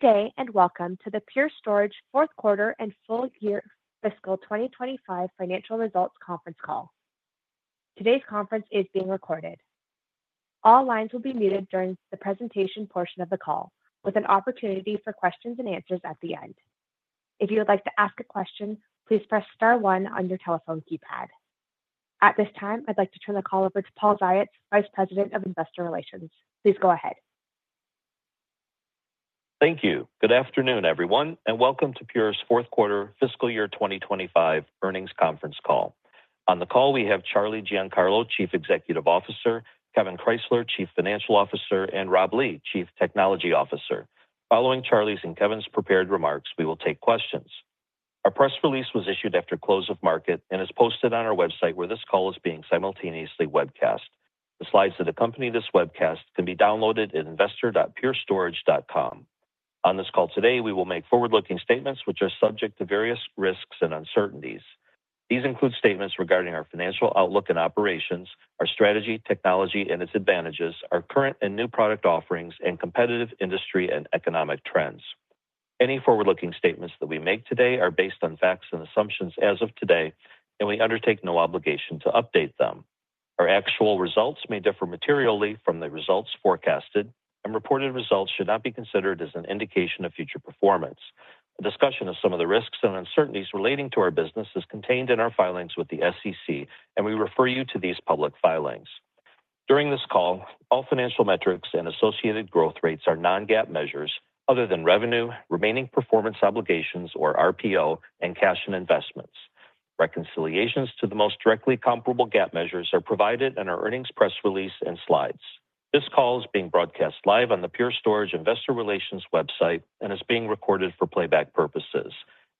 Good day and welcome to the Pure Storage fourth quarter and full year fiscal 2025 financial results conference call. Today's conference is being recorded. All lines will be muted during the presentation portion of the call, with an opportunity for questions and answers at the end. If you would like to ask a question, please press star zero on your telephone keypad. At this time, I'd like to turn the call over to Paul Ziots, Vice President of Investor Relations. Please go ahead. Thank you. Good afternoon, everyone, and welcome to Pure's fourth quarter fiscal year 2025 earnings conference call. On the call, we have Charlie Giancarlo, Chief Executive Officer, Kevan Krysler, Chief Financial Officer, and Rob Lee, Chief Technology Officer. Following Charlie's and Kevan's prepared remarks, we will take questions. Our press release was issued after close of market and is posted on our website where this call is being simultaneously webcast. The slides that accompany this webcast can be downloaded at investor.purestorage.com. On this call today, we will make forward-looking statements which are subject to various risks and uncertainties. These include statements regarding our financial outlook and operations, our strategy, technology and its advantages, our current and new product offerings, and competitive industry and economic trends. Any forward-looking statements that we make today are based on facts and assumptions as of today, and we undertake no obligation to update them. Our actual results may differ materially from the results forecasted, and reported results should not be considered as an indication of future performance. A discussion of some of the risks and uncertainties relating to our business is contained in our filings with the SEC, and we refer you to these public filings. During this call, all financial metrics and associated growth rates are non-GAAP measures other than revenue, remaining performance obligations, or RPO, and cash and investments. Reconciliations to the most directly comparable GAAP measures are provided in our earnings press release and slides. This call is being broadcast live on the Pure Storage Investor Relations website and is being recorded for playback purposes.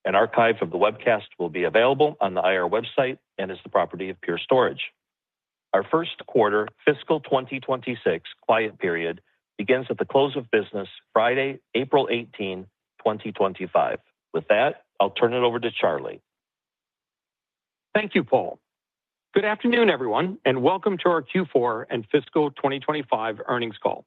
An archive of the webcast will be available on the IR website and is the property of Pure Storage. Our first quarter fiscal 2026 quiet period begins at the close of business Friday, April 18, 2025. With that, I'll turn it over to Charlie. Thank you, Paul. Good afternoon, everyone, and welcome to our Q4 and fiscal 2025 earnings call.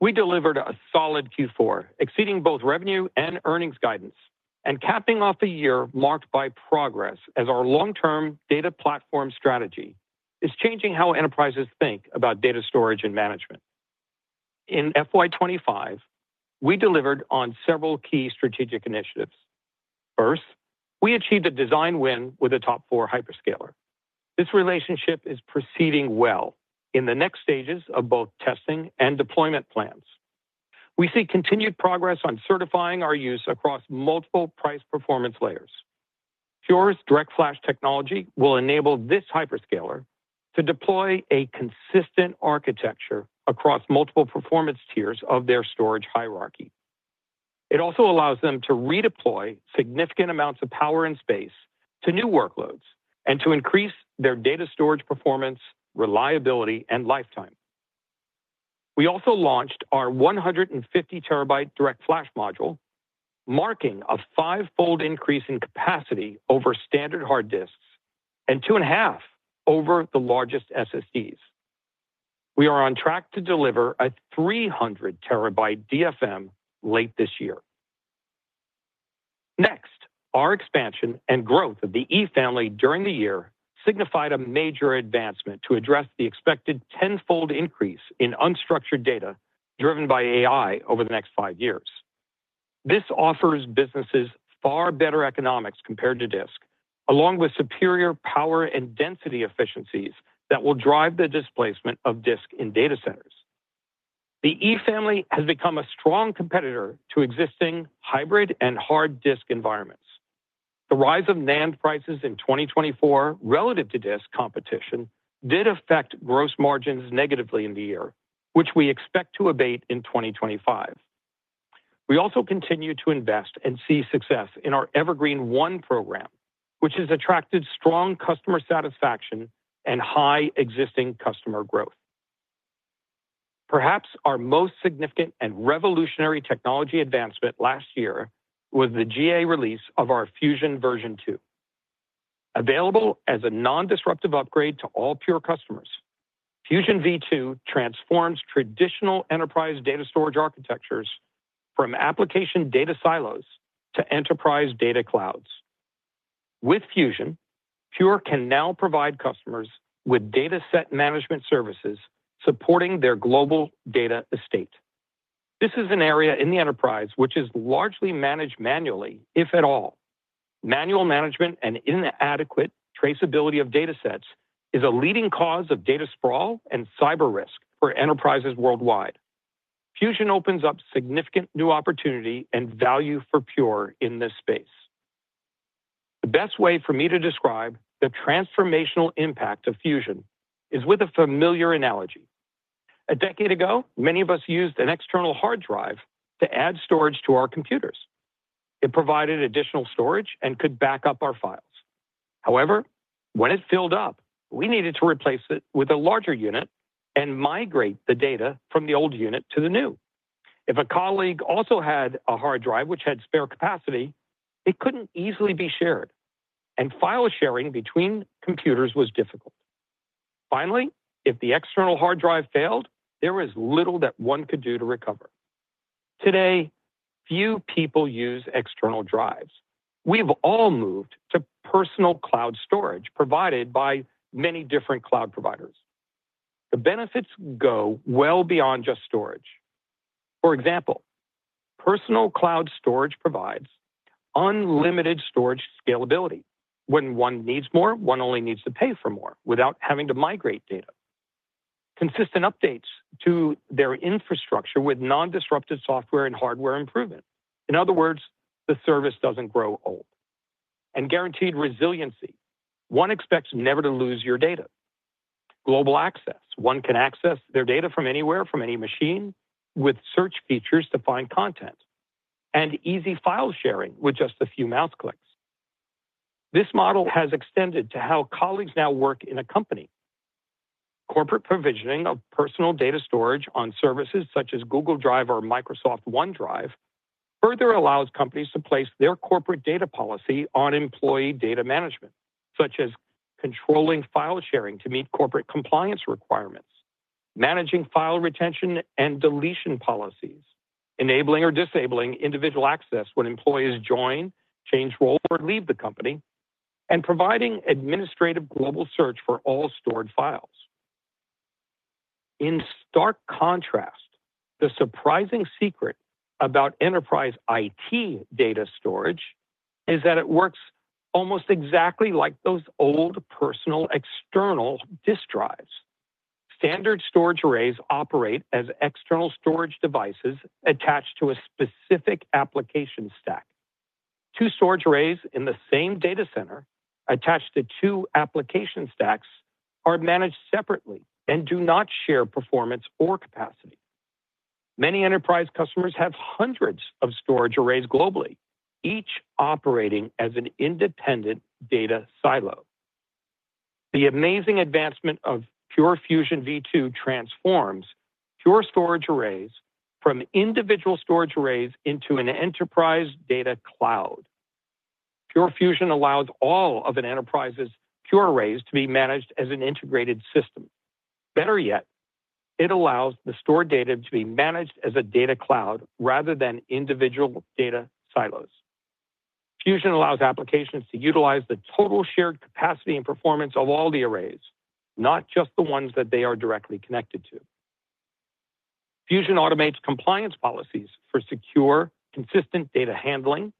We delivered a solid Q4, exceeding both revenue and earnings guidance, and capping off the year marked by progress as our long-term data platform strategy is changing how enterprises think about data storage and management. In FY25, we delivered on several key strategic initiatives. First, we achieved a design win with a top four hyperscaler. This relationship is proceeding well in the next stages of both testing and deployment plans. We see continued progress on certifying our use across multiple price performance layers. Pure's DirectFlash technology will enable this hyperscaler to deploy a consistent architecture across multiple performance tiers of their storage hierarchy. It also allows them to redeploy significant amounts of power and space to new workloads and to increase their data storage performance, reliability, and lifetime. We also launched our 150 terabyte DirectFlash Module, marking a five-fold increase in capacity over standard hard disks and two and a half over the largest SSDs. We are on track to deliver a 300 terabyte DFM late this year. Next, our expansion and growth of the E Family during the year signified a major advancement to address the expected tenfold increase in unstructured data driven by AI over the next five years. This offers businesses far better economics compared to disk, along with superior power and density efficiencies that will drive the displacement of disk in data centers. The E Family has become a strong competitor to existing hybrid and hard disk environments. The rise of NAND prices in 2024 relative to disk competition did affect gross margins negatively in the year, which we expect to abate in 2025. We also continue to invest and see success in our Evergreen One program, which has attracted strong customer satisfaction and high existing customer growth. Perhaps our most significant and revolutionary technology advancement last year was the GA release of our Fusion version 2. Available as a non-disruptive upgrade to all Pure customers, Fusion v2 transforms traditional enterprise data storage architectures from application data silos to enterprise data clouds. With Fusion, Pure can now provide customers with data set management services supporting their global data estate. This is an area in the enterprise which is largely managed manually, if at all. Manual management and inadequate traceability of data sets is a leading cause of data sprawl and cyber risk for enterprises worldwide. Fusion opens up significant new opportunity and value for Pure in this space. The best way for me to describe the transformational impact of Fusion is with a familiar analogy. A decade ago, many of us used an external hard drive to add storage to our computers. It provided additional storage and could back up our files. However, when it filled up, we needed to replace it with a larger unit and migrate the data from the old unit to the new. If a colleague also had a hard drive which had spare capacity, it couldn't easily be shared, and file sharing between computers was difficult. Finally, if the external hard drive failed, there was little that one could do to recover. Today, few people use external drives. We've all moved to personal cloud storage provided by many different cloud providers. The benefits go well beyond just storage. For example, personal cloud storage provides unlimited storage scalability. When one needs more, one only needs to pay for more without having to migrate data. Consistent updates to their infrastructure with non-disruptive software and hardware improvement. In other words, the service doesn't grow old, and guaranteed resiliency. One expects never to lose your data. Global access. One can access their data from anywhere, from any machine, with search features to find content and easy file sharing with just a few mouse clicks. This model has extended to how colleagues now work in a company. Corporate provisioning of personal data storage on services such as Google Drive or Microsoft OneDrive further allows companies to place their corporate data policy on employee data management, such as controlling file sharing to meet corporate compliance requirements, managing file retention and deletion policies, enabling or disabling individual access when employees join, change roles, or leave the company, and providing administrative global search for all stored files. In stark contrast, the surprising secret about enterprise IT data storage is that it works almost exactly like those old personal external disk drives. Standard storage arrays operate as external storage devices attached to a specific application stack. Two storage arrays in the same data center attached to two application stacks are managed separately and do not share performance or capacity. Many enterprise customers have hundreds of storage arrays globally, each operating as an independent data silo. The amazing advancement of Pure Fusion v2 transforms Pure Storage arrays from individual storage arrays into an enterprise data cloud. Pure Fusion allows all of an enterprise's Pure arrays to be managed as an integrated system. Better yet, it allows the stored data to be managed as a data cloud rather than individual data silos. Fusion allows applications to utilize the total shared capacity and performance of all the arrays, not just the ones that they are directly connected to. Fusion automates compliance policies for secure, consistent data handling.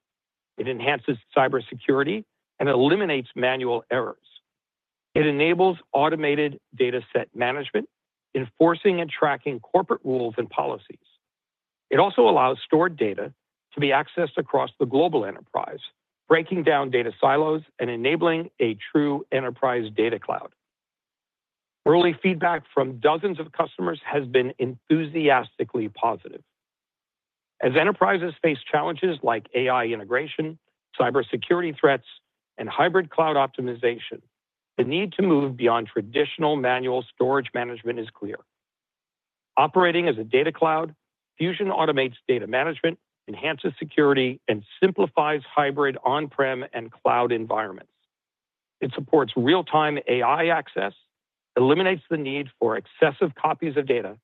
It enhances cybersecurity and eliminates manual errors. It enables automated data set management, enforcing and tracking corporate rules and policies. It also allows stored data to be accessed across the global enterprise, breaking down data silos and enabling a true enterprise data cloud. Early feedback from dozens of customers has been enthusiastically positive. As enterprises face challenges like AI integration, cybersecurity threats, and hybrid cloud optimization, the need to move beyond traditional manual storage management is clear. Operating as a data cloud, Pure Fusion automates data management, enhances security, and simplifies hybrid on-prem and cloud environments. It supports real-time AI access, eliminates the need for excessive copies of data,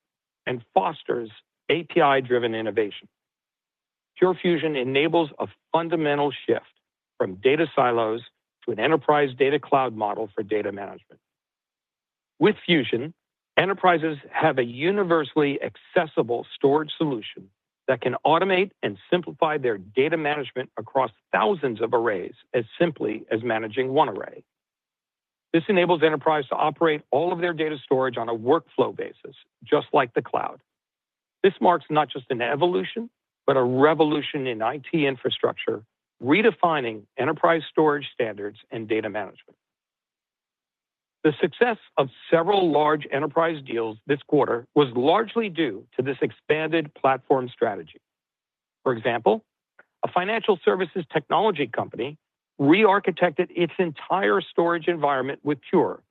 and fosters API-driven innovation. Pure Fusion enables a fundamental shift from data silos to an enterprise data cloud model for data management. With Pure Fusion, enterprises have a universally accessible storage solution that can automate and simplify their data management across thousands of arrays as simply as managing one array. This enables enterprises to operate all of their data storage on a workflow basis, just like the cloud. This marks not just an evolution, but a revolution in IT infrastructure, redefining enterprise storage standards and data management. The success of several large enterprise deals this quarter was largely due to this expanded platform strategy. For example, a financial services technology company re-architected its entire storage environment with Pure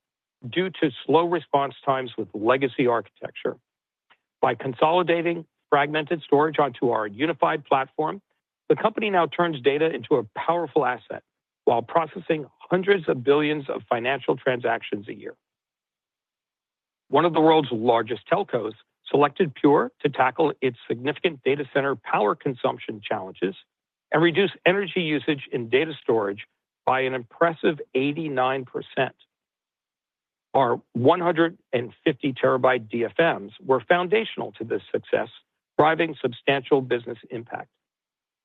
due to slow response times with legacy architecture. By consolidating fragmented storage onto our unified platform, the company now turns data into a powerful asset while processing hundreds of billions of financial transactions a year. One of the world's largest telcos selected Pure to tackle its significant data center power consumption challenges and reduce energy usage in data storage by an impressive 89%. Our 150-terabyte DFMs were foundational to this success, driving substantial business impact.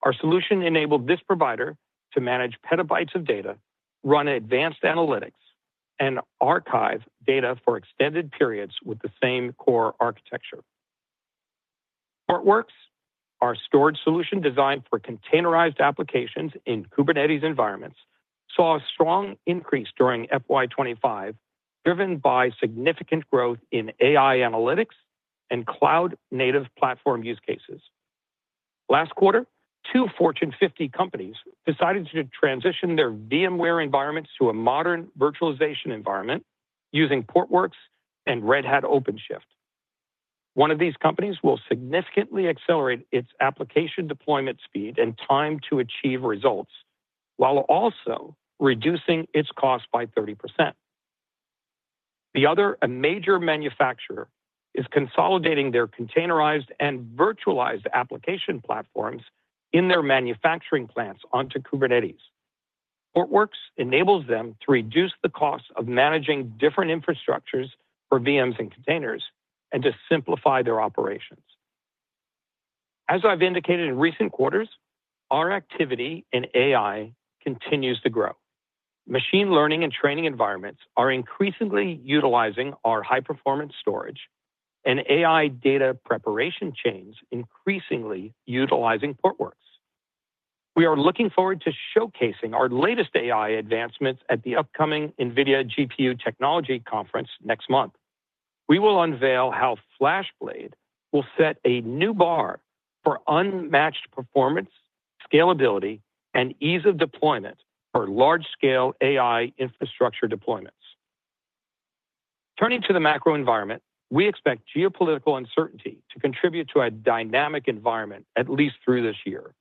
Our solution enabled this provider to manage petabytes of data, run advanced analytics, and archive data for extended periods with the same core architecture. Portworx, our storage solution designed for containerized applications in Kubernetes environments, saw a strong increase during FY25, driven by significant growth in AI analytics and cloud-native platform use cases. Last quarter, two Fortune 50 companies decided to transition their VMware environments to a modern virtualization environment using Portworx and Red Hat OpenShift. One of these companies will significantly accelerate its application deployment speed and time to achieve results, while also reducing its cost by 30%. The other major manufacturer is consolidating their containerized and virtualized application platforms in their manufacturing plants onto Kubernetes. Portworx enables them to reduce the cost of managing different infrastructures for VMs and containers and to simplify their operations. As I've indicated in recent quarters, our activity in AI continues to grow. Machine learning and training environments are increasingly utilizing our high-performance storage, and AI data preparation chains increasingly utilizing Portworx. We are looking forward to showcasing our latest AI advancements at the upcoming NVIDIA GPU Technology Conference next month. We will unveil how FlashBlade will set a new bar for unmatched performance, scalability, and ease of deployment for large-scale AI infrastructure deployments. Turning to the macro environment, we expect geopolitical uncertainty to contribute to a dynamic environment, at least through this year.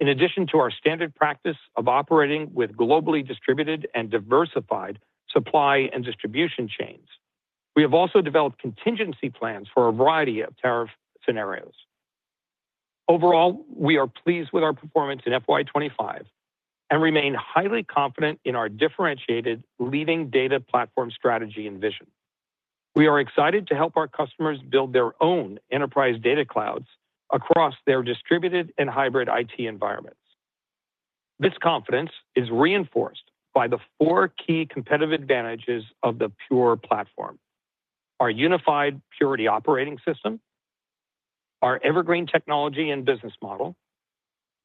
In addition to our standard practice of operating with globally distributed and diversified supply and distribution chains, we have also developed contingency plans for a variety of tariff scenarios. Overall, we are pleased with our performance in FY25 and remain highly confident in our differentiated leading data platform strategy and vision. We are excited to help our customers build their own enterprise data clouds across their distributed and hybrid IT environments. This confidence is reinforced by the four key competitive advantages of the Pure platform: our unified Purity operating system, our Evergreen technology and business model,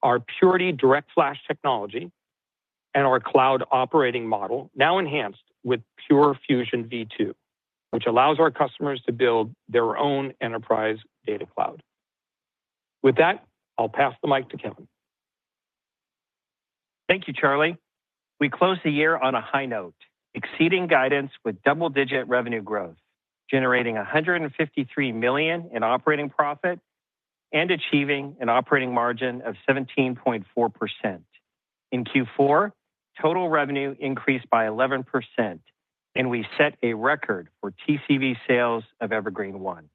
our Purity DirectFlash technology, and our cloud operating model, now enhanced with Pure Fusion v2, which allows our customers to build their own enterprise data cloud. With that, I'll pass the mic to Kevan. Thank you, Charlie. We close the year on a high note, exceeding guidance with double-digit revenue growth, generating $153 million in operating profit and achieving an operating margin of 17.4%. In Q4, total revenue increased by 11%, and we set a record for TCV sales of Evergreen One.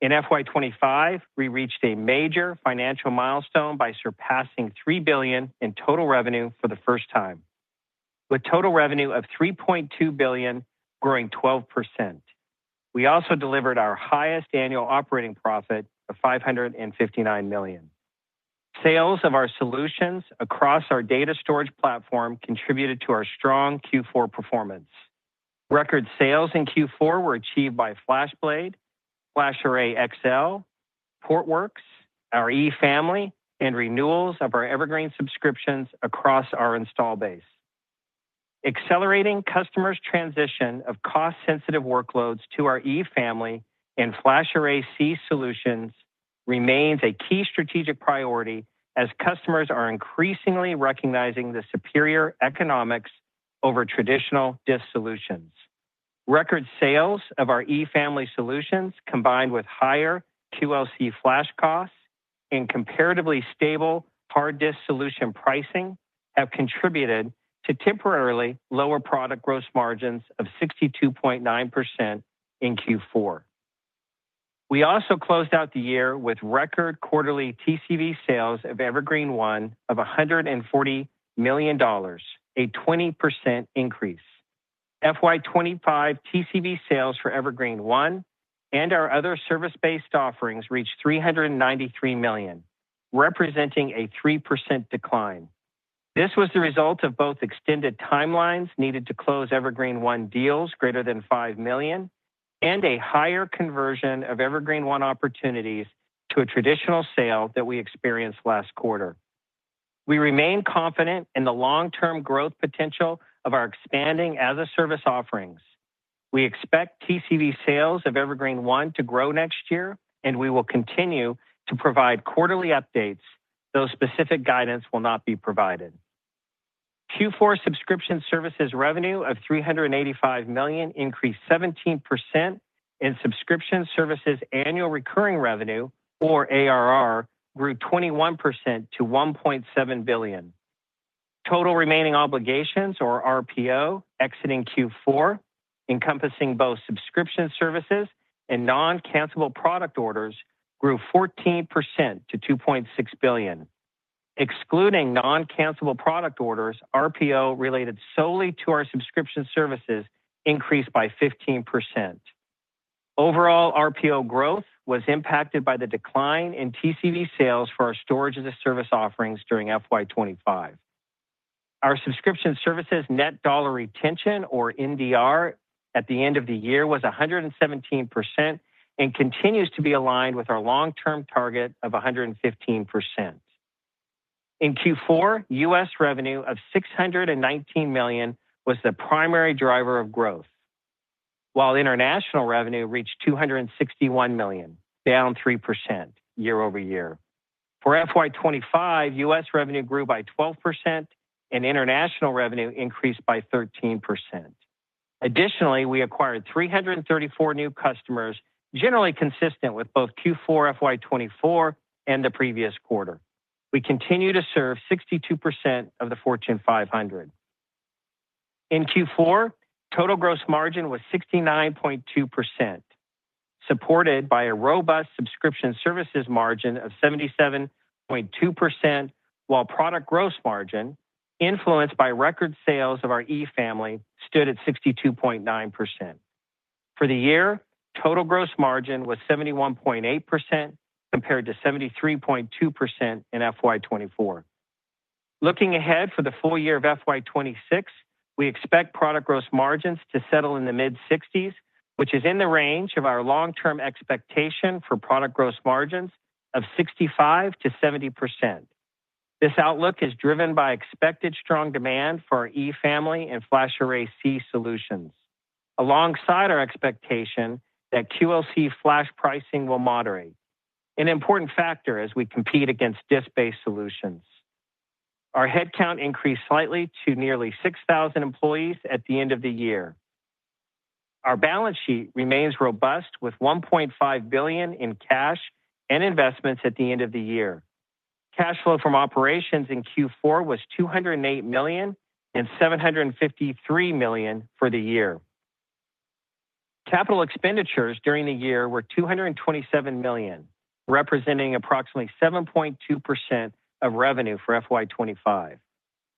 In FY25, we reached a major financial milestone by surpassing $3 billion in total revenue for the first time, with total revenue of $3.2 billion, growing 12%. We also delivered our highest annual operating profit of $559 million. Sales of our solutions across our data storage platform contributed to our strong Q4 performance. Record sales in Q4 were achieved by FlashBlade, FlashArray XL, Portworx, our E Family, and renewals of our Evergreen subscriptions across our installed base. Accelerating customers' transition of cost-sensitive workloads to our E Family and FlashArray C solutions remains a key strategic priority as customers are increasingly recognizing the superior economics over traditional disk solutions. Record sales of our E Family solutions, combined with higher QLC flash costs and comparatively stable hard disk solution pricing, have contributed to temporarily lower product gross margins of 62.9% in Q4. We also closed out the year with record quarterly TCV sales of Evergreen One of $140 million, a 20% increase. FY25 TCV sales for Evergreen One and our other service-based offerings reached $393 million, representing a 3% decline. This was the result of both extended timelines needed to close Evergreen One deals greater than $5 million and a higher conversion of Evergreen One opportunities to a traditional sale that we experienced last quarter. We remain confident in the long-term growth potential of our expanding as-a-service offerings. We expect TCV sales of Evergreen One to grow next year, and we will continue to provide quarterly updates though specific guidance will not be provided. Q4 subscription services revenue of $385 million increased 17%, and subscription services annual recurring revenue, or ARR, grew 21% to $1.7 billion. Total remaining obligations, or RPO, exiting Q4, encompassing both subscription services and non-cancelable product orders, grew 14% to $2.6 billion. Excluding non-cancelable product orders, RPO related solely to our subscription services increased by 15%. Overall, RPO growth was impacted by the decline in TCV sales for our storage as-a-service offerings during FY25. Our subscription services net dollar retention, or NDR, at the end of the year was 117% and continues to be aligned with our long-term target of 115%. In Q4, U.S. revenue of $619 million was the primary driver of growth, while international revenue reached $261 million, down 3% year over year. For FY25, U.S. revenue grew by 12%, and international revenue increased by 13%. Additionally, we acquired 334 new customers, generally consistent with both Q4 FY24 and the previous quarter. We continue to serve 62% of the Fortune 500. In Q4, total gross margin was 69.2%, supported by a robust subscription services margin of 77.2%, while product gross margin, influenced by record sales of our E Family, stood at 62.9%. For the year, total gross margin was 71.8%, compared to 73.2% in FY24. Looking ahead for the full year of FY26, we expect product gross margins to settle in the mid-60s, which is in the range of our long-term expectation for product gross margins of 65% to 70%. This outlook is driven by expected strong demand for our E Family and FlashArray C solutions, alongside our expectation that QLC flash pricing will moderate, an important factor as we compete against disk-based solutions. Our headcount increased slightly to nearly 6,000 employees at the end of the year. Our balance sheet remains robust, with $1.5 billion in cash and investments at the end of the year. Cash flow from operations in Q4 was $208 million and $753 million for the year. Capital expenditures during the year were $227 million, representing approximately 7.2% of revenue for FY25.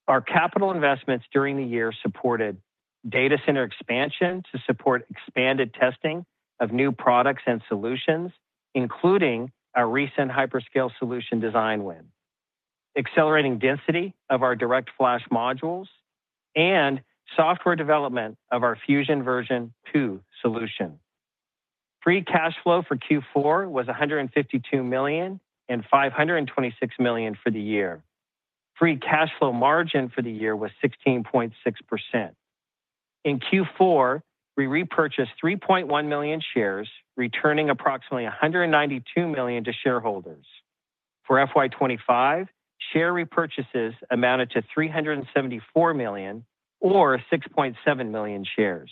Our capital investments during the year supported data center expansion to support expanded testing of new products and solutions, including our recent hyperscale solution design win, accelerating density of our DirectFlash Modules, and software development of our Fusion Version 2 solution. Free cash flow for Q4 was $152 million and $526 million for the year. Free cash flow margin for the year was 16.6%. In Q4, we repurchased 3.1 million shares, returning approximately $192 million to shareholders. For FY25, share repurchases amounted to $374 million, or 6.7 million shares.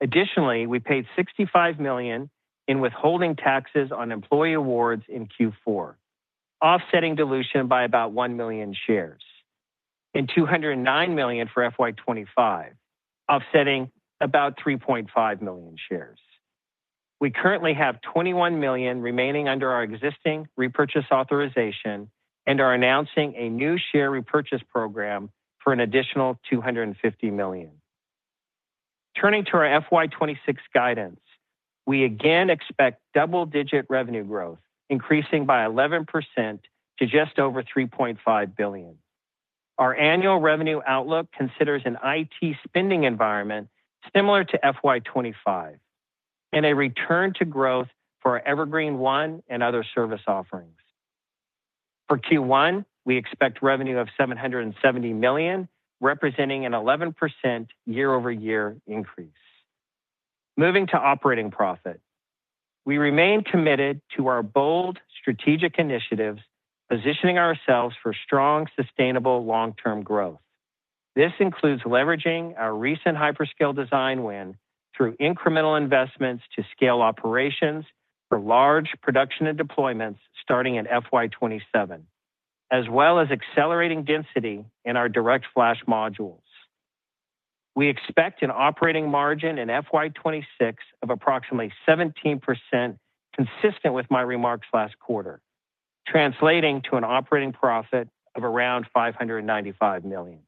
Additionally, we paid $65 million in withholding taxes on employee awards in Q4, offsetting dilution by about 1 million shares and $209 million for FY25, offsetting about 3.5 million shares. We currently have $21 million remaining under our existing repurchase authorization, and are announcing a new share repurchase program for an additional $250 million. Turning to our FY26 guidance, we again expect double-digit revenue growth, increasing by 11% to just over $3.5 billion. Our annual revenue outlook considers an IT spending environment similar to FY25 and a return to growth for Evergreen One and other service offerings. For Q1, we expect revenue of $770 million, representing an 11% year-over-year increase. Moving to operating profit, we remain committed to our bold strategic initiatives, positioning ourselves for strong, sustainable long-term growth. This includes leveraging our recent hyperscale design win through incremental investments to scale operations for large production and deployments starting in FY27, as well as accelerating density in our DirectFlash modules. We expect an operating margin in FY26 of approximately 17%, consistent with my remarks last quarter, translating to an operating profit of around $595 million.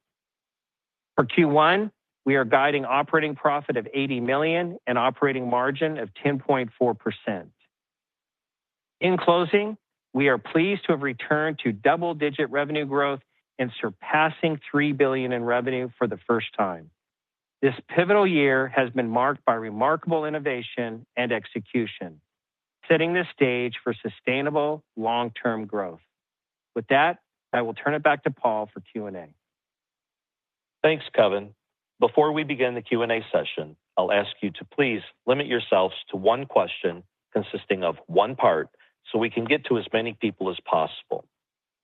For Q1, we are guiding operating profit of $80 million and operating margin of 10.4%. In closing, we are pleased to have returned to double-digit revenue growth and surpassing $3 billion in revenue for the first time. This pivotal year has been marked by remarkable innovation and execution, setting the stage for sustainable long-term growth. With that, I will turn it back to Paul for Q&A. Thanks, Kevan. Before we begin the Q&A session, I'll ask you to please limit yourselves to one question consisting of one part so we can get to as many people as possible.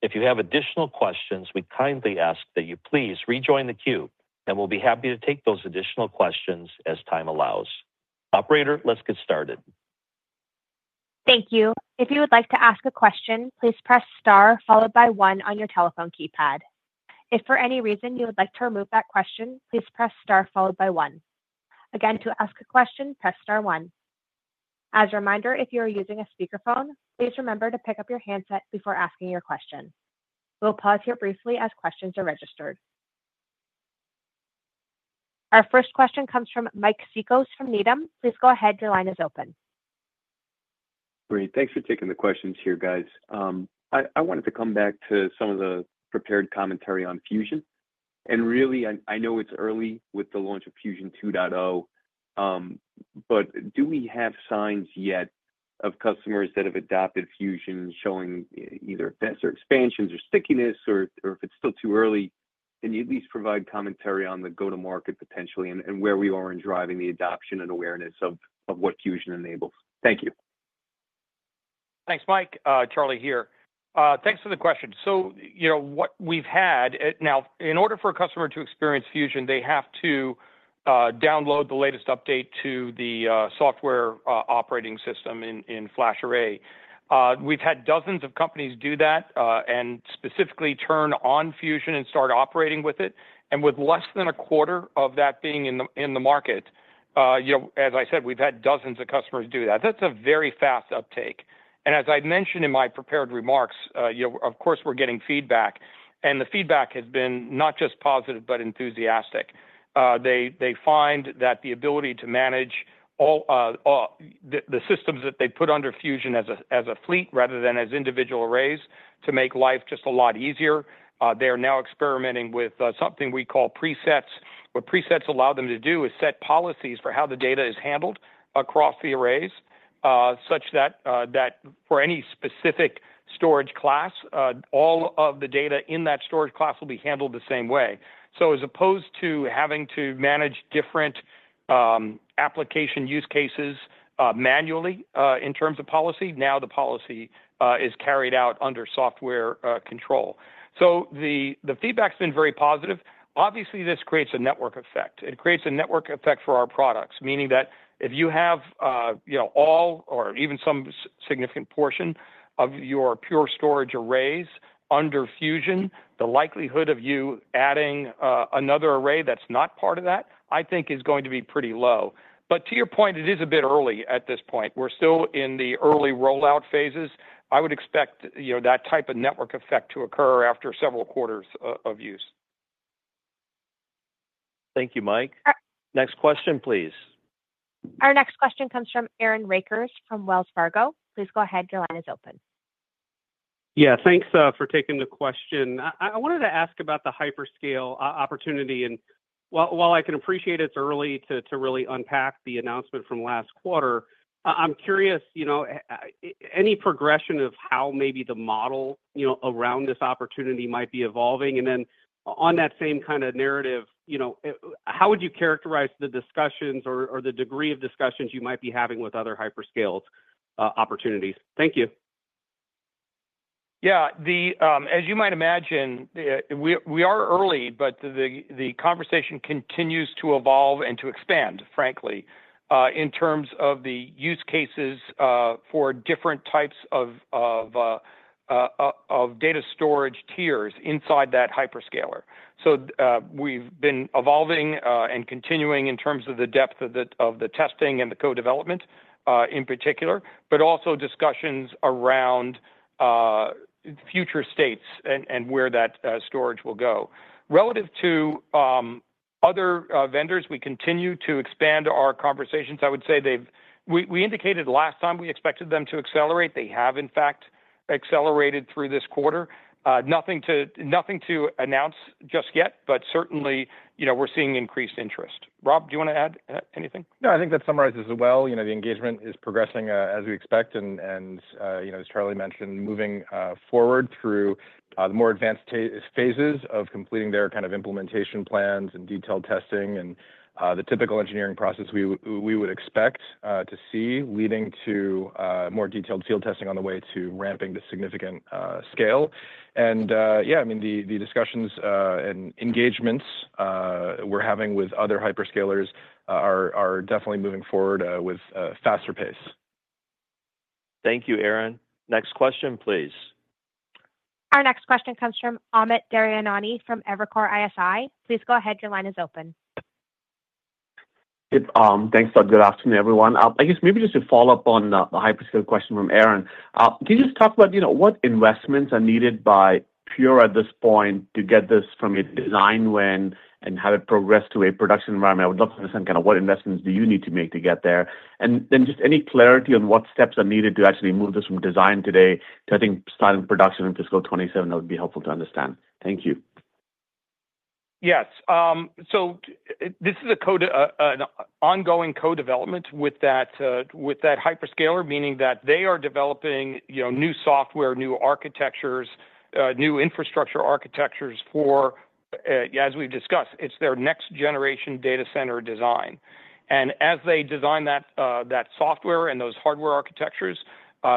If you have additional questions, we kindly ask that you please rejoin the queue, and we'll be happy to take those additional questions as time allows. Operator, let's get started. Thank you. If you would like to ask a question, please press Star followed by one on your telephone keypad. If for any reason you would like to remove that question, please press Star followed by one. Again, to ask a question, press Star one. As a reminder, if you are using a speakerphone, please remember to pick up your handset before asking your question. We'll pause here briefly as questions are registered. Our first question comes from Mike Cikos from Needham. Please go ahead. Your line is open. Great. Thanks for taking the questions here, guys. I wanted to come back to some of the prepared commentary on Fusion. And really, I know it's early with the launch of Fusion 2.0, but do we have signs yet of customers that have adopted Fusion showing either net or expansions or stickiness, or if it's still too early, can you at least provide commentary on the go-to-market potentially and where we are in driving the adoption and awareness of what Fusion enables? Thank you. Thanks, Mike. Charlie here. Thanks for the question. What we've had now, in order for a customer to experience Fusion, they have to download the latest update to the software operating system in FlashArray. We've had dozens of companies do that and specifically turn on Fusion and start operating with it. And with less than a quarter of that being in the market, as I said, we've had dozens of customers do that. That's a very fast uptake. And as I mentioned in my prepared remarks, of course, we're getting feedback. And the feedback has been not just positive but enthusiastic. They find that the ability to manage the systems that they put under Fusion as a fleet rather than as individual arrays to make life just a lot easier. They are now experimenting with something we call presets. What presets allow them to do is set policies for how the data is handled across the arrays, such that for any specific storage class, all of the data in that storage class will be handled the same way. So as opposed to having to manage different application use cases manually in terms of policy, now the policy is carried out under software control. So the feedback's been very positive. Obviously, this creates a network effect. It creates a network effect for our products, meaning that if you have all or even some significant portion of your Pure Storage arrays under Fusion, the likelihood of you adding another array that's not part of that, I think, is going to be pretty low. But to your point, it is a bit early at this point. We're still in the early rollout phases. I would expect that type of network effect to occur after several quarters of use. Thank you, Mike. Next question, please. Our next question comes from Aaron Rakers from Wells Fargo. Please go ahead. Your line is open. Yeah, thanks for taking the question. I wanted to ask about the hyperscale opportunity. And while I can appreciate it's early to really unpack the announcement from last quarter, I'm curious any progression of how maybe the model around this opportunity might be evolving. And then on that same kind of narrative, how would you characterize the discussions or the degree of discussions you might be having with other hyperscale opportunities? Thank you. Yeah. As you might imagine, we are early, but the conversation continues to evolve and to expand, frankly, in terms of the use cases for different types of data storage tiers inside that hyperscaler. So we've been evolving and continuing in terms of the depth of the testing and the co-development in particular, but also discussions around future states and where that storage will go. Relative to other vendors, we continue to expand our conversations. I would say we indicated last time we expected them to accelerate. They have, in fact, accelerated through this quarter. Nothing to announce just yet, but certainly, we're seeing increased interest. Rob, do you want to add anything? No, I think that summarizes it well. The engagement is progressing as we expect. And as Charlie mentioned, moving forward through the more advanced phases of completing their kind of implementation plans and detailed testing and the typical engineering process we would expect to see, leading to more detailed field testing on the way to ramping to significant scale. And yeah, I mean, the discussions and engagements we're having with other hyperscalers are definitely moving forward with faster pace. Thank you, Aaron. Next question, please. Our next question comes from Amit Daryanani from Evercore ISI. Please go ahead. Your line is open. Thanks, Rob. Good afternoon, everyone. I guess maybe just to follow up on the hyperscaler question from Aaron, can you just talk about what investments are needed by Pure at this point to get this from a design win and have it progress to a production environment? I would love to understand kind of what investments do you need to make to get there. And then just any clarity on what steps are needed to actually move this from design today to, I think, starting production in fiscal 2027, that would be helpful to understand. Thank you. Yes. So this is an ongoing co-development with that hyperscaler, meaning that they are developing new software, new architectures, new infrastructure architectures for, as we've discussed, it's their next-generation data center design. And as they design that software and those hardware architectures,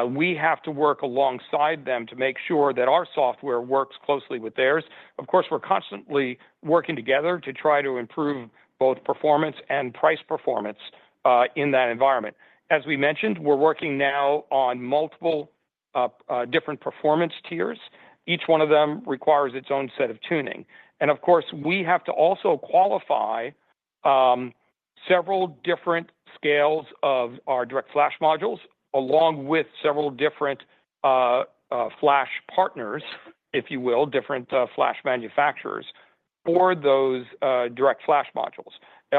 we have to work alongside them to make sure that our software works closely with theirs. Of course, we're constantly working together to try to improve both performance and price performance in that environment. As we mentioned, we're working now on multiple different performance tiers. Each one of them requires its own set of tuning. And of course, we have to also qualify several different scales of our direct flash modules along with several different flash partners, if you will, different flash manufacturers for those direct flash modules.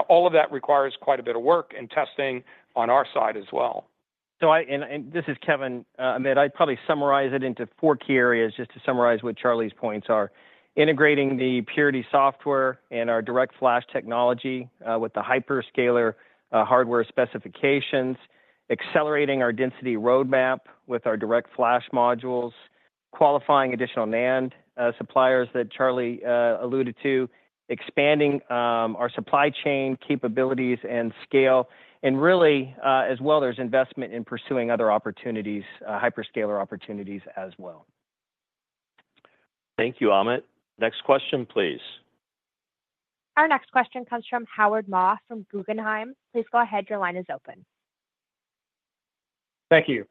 All of that requires quite a bit of work and testing on our side as well. And this is Kevan. I'd probably summarize it into four key areas just to summarize what Charlie's points are: integrating the Purity software and our DirectFlash technology with the hyperscaler hardware specifications, accelerating our density roadmap with our DirectFlash modules, qualifying additional NAND suppliers that Charlie alluded to, expanding our supply chain capabilities and scale. And really, as well, there's investment in pursuing other opportunities, hyperscaler opportunities as well. Thank you, Amit. Next question, please. Our next question comes from Howard Ma from Guggenheim. Please go ahead. Your line is open. Thank you.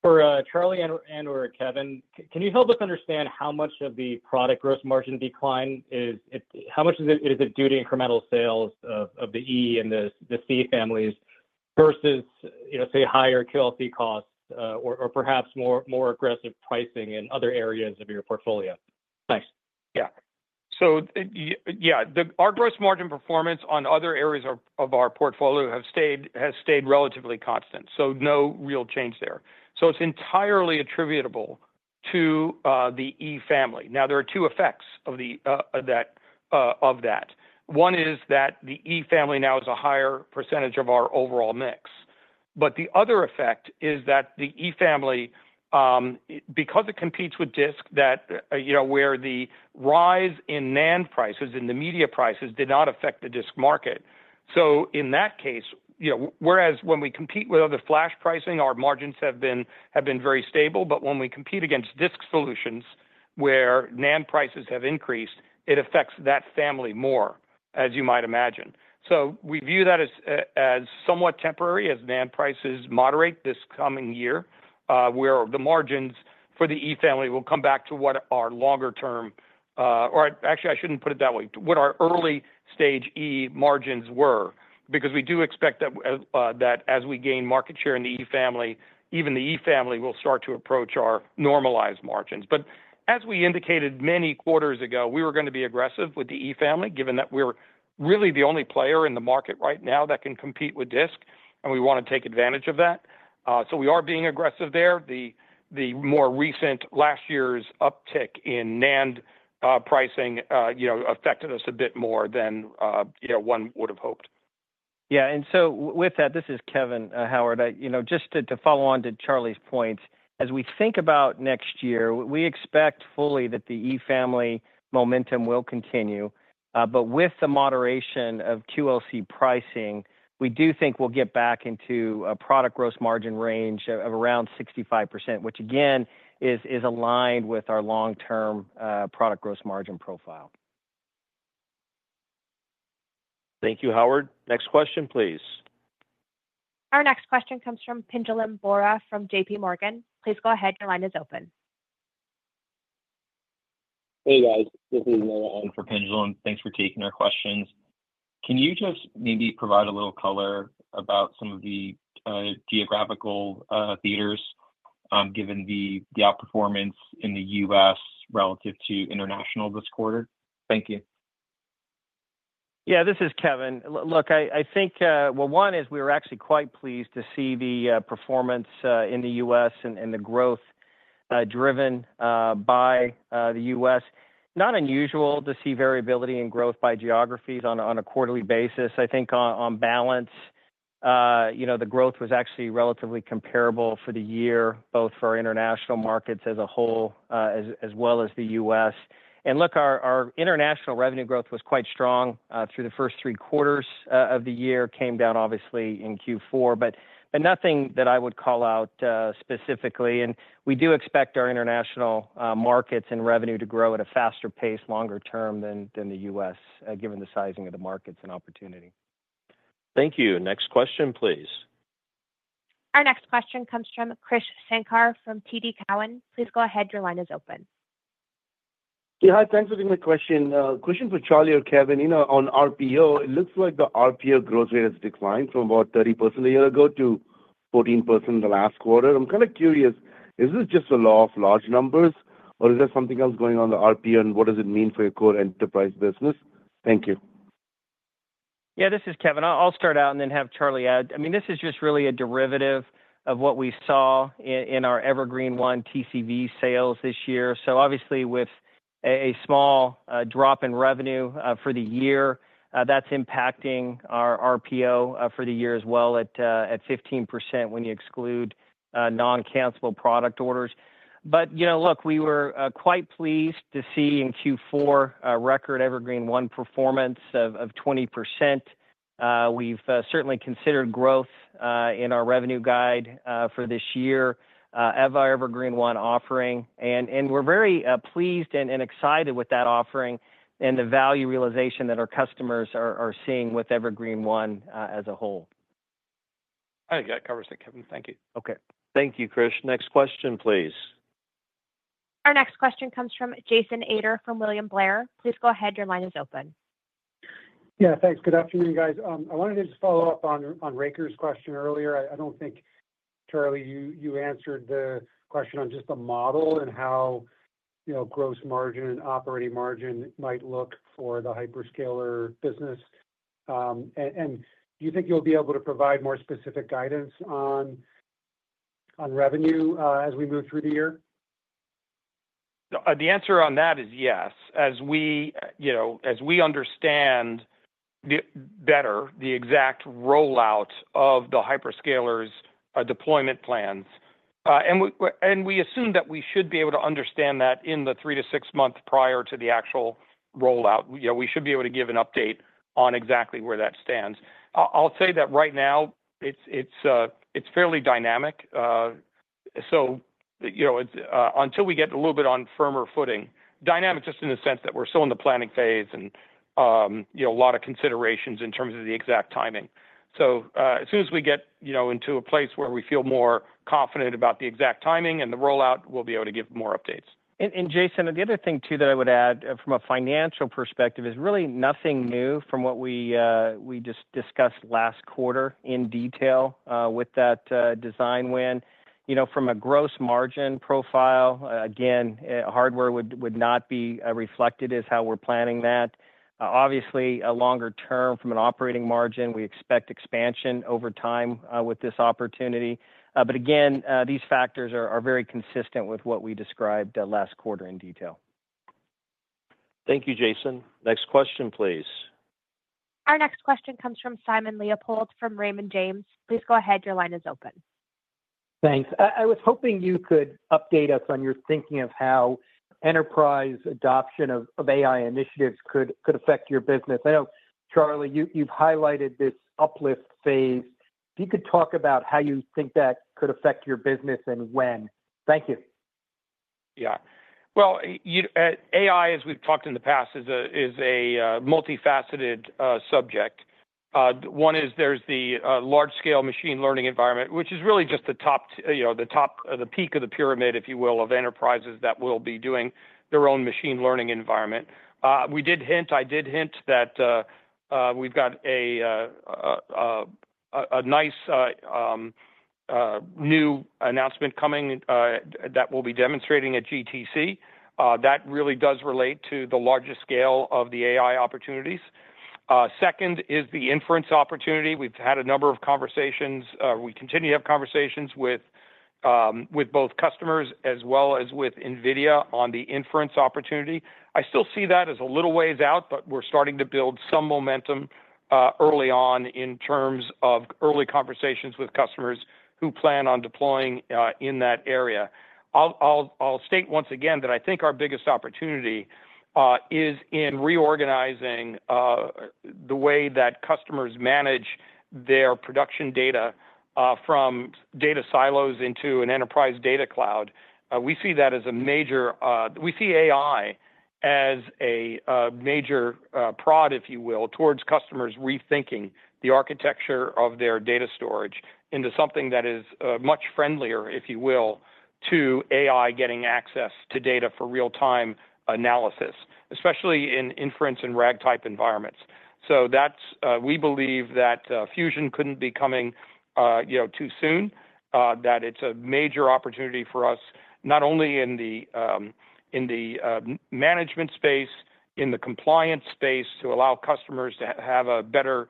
For Charlie and/or Kevan, can you help us understand how much of the product gross margin decline is? How much is it due to incremental sales of the E and the C families versus, say, higher QLC costs or perhaps more aggressive pricing in other areas of your portfolio? Thanks. Yeah. Yeah, our gross margin performance on other areas of our portfolio has stayed relatively constant. No real change there. It's entirely attributable to the E Family. Now, there are two effects of that. One is that the E Family now is a higher percentage of our overall mix. But the other effect is that the E Family, because it competes with disk. That, where the rise in NAND prices and the media prices did not affect the disk market. In that case, whereas when we compete with other flash pricing, our margins have been very stable. But when we compete against disk solutions where NAND prices have increased, it affects that family more, as you might imagine. So we view that as somewhat temporary as NAND prices moderate this coming year, where the margins for the E Family will come back to what our longer-term, or actually, I shouldn't put it that way, what our early-stage E margins were, because we do expect that as we gain market share in the E Family, even the E Family will start to approach our normalized margins. But as we indicated many quarters ago, we were going to be aggressive with the E Family, given that we're really the only player in the market right now that can compete with disk, and we want to take advantage of that. So we are being aggressive there. The more recent last year's uptick in NAND pricing affected us a bit more than one would have hoped. Yeah. And so with that, this is Kevan, Howard. Just to follow on to Charlie's points, as we think about next year, we expect fully that the E Family momentum will continue. But with the moderation of QLC pricing, we do think we'll get back into a product gross margin range of around 65%, which again is aligned with our long-term product gross margin profile. Thank you, Howard. Next question, please. Our next question comes from Pinjalim Bora from J.P. Morgan. Please go ahead. Your line is open. Hey, guys. This is Nolan for Pinjalim. Thanks for taking our questions. Can you just maybe provide a little color about some of the geographical theaters given the outperformance in the US relative to international this quarter? Thank you. Yeah, this is Kevan. Look, I think, well, one is we were actually quite pleased to see the performance in the US and the growth driven by the US. not unusual to see variability in growth by geographies on a quarterly basis. I think on balance, the growth was actually relatively comparable for the year, both for our international markets as a whole as well as the US. And look, our international revenue growth was quite strong through the first three quarters of the year, came down obviously in Q4, but nothing that I would call out specifically. And we do expect our international markets and revenue to grow at a faster pace, longer term than the US, given the sizing of the markets and opportunity. Thank you. Next question, please. Our next question comes from Krish Sankar from TD Cowen. Please go ahead. Your line is open. Yeah, hi. Thanks for the question. Question for Charlie or Kevan. On RPO, it looks like the RPO growth rate has declined from about 30% a year ago to 14% in the last quarter. I'm kind of curious, is this just a law of large numbers, or is there something else going on in the RPO, and what does it mean for your core enterprise business? Thank you. Yeah, this is Kevan. I'll start out and then have Charlie add. I mean, this is just really a derivative of what we saw in our Evergreen One TCV sales this year. So obviously, with a small drop in revenue for the year, that's impacting our RPO for the year as well at 15% when you exclude non-cancelable product orders. But look, we were quite pleased to see in Q4 record Evergreen One performance of 20%. We've certainly considered growth in our revenue guide for this year of our Evergreen One offering. And we're very pleased and excited with that offering and the value realization that our customers are seeing with Evergreen One as a whole. I think that covers it, Kevin. Thank you. Okay. Thank you, Krish. Next question, please. Our next question comes from Jason Ader from William Blair. Please go ahead. Your line is open. Yeah, thanks. Good afternoon, guys. I wanted to just follow up on Rakers' question earlier. I don't think, Charlie, you answered the question on just the model and how gross margin and operating margin might look for the hyperscaler business. And do you think you'll be able to provide more specific guidance on revenue as we move through the year? The answer on that is yes. As we understand better the exact rollout of the hyperscalers' deployment plans, and we assume that we should be able to understand that in the three to six months prior to the actual rollout, we should be able to give an update on exactly where that stands. I'll say that right now, it's fairly dynamic. Until we get a little bit on firmer footing, dynamic just in the sense that we're still in the planning phase and a lot of considerations in terms of the exact timing. As soon as we get into a place where we feel more confident about the exact timing and the rollout, we'll be able to give more updates. Jason, the other thing too that I would add from a financial perspective is really nothing new from what we just discussed last quarter in detail with that design win. From a gross margin profile, again, hardware would not be reflected as how we're planning that. Obviously, longer term from an operating margin, we expect expansion over time with this opportunity. But again, these factors are very consistent with what we described last quarter in detail. Thank you, Jason. Next question, please. Our next question comes from Simon Leopold from Raymond James. Please go ahead. Your line is open. Thanks. I was hoping you could update us on your thinking of how enterprise adoption of AI initiatives could affect your business. I know, Charlie, you've highlighted this uplift phase. If you could talk about how you think that could affect your business and when. Thank you. Yeah. Well, AI, as we've talked in the past, is a multifaceted subject. One is there's the large-scale machine learning environment, which is really just the top, the peak of the pyramid, if you will, of enterprises that will be doing their own machine learning environment. I did hint that we've got a nice new announcement coming that we'll be demonstrating at GTC. That really does relate to the larger scale of the AI opportunities. Second is the inference opportunity. We've had a number of conversations. We continue to have conversations with both customers as well as with NVIDIA on the inference opportunity. I still see that as a little ways out, but we're starting to build some momentum early on in terms of early conversations with customers who plan on deploying in that area. I'll state once again that I think our biggest opportunity is in reorganizing the way that customers manage their production data from data silos into an enterprise data cloud. We see that as a major. We see AI as a major prod, if you will, towards customers rethinking the architecture of their data storage into something that is much friendlier, if you will, to AI getting access to data for real-time analysis, especially in inference and RAG-type environments. So we believe that fusion couldn't be coming too soon, that it's a major opportunity for us, not only in the management space, in the compliance space to allow customers to have a better